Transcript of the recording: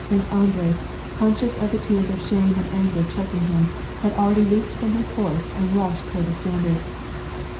Prince Andrei, con scious of the tears of shame and anger choking him, had al ready leaped from his horse and rushed toward the standard.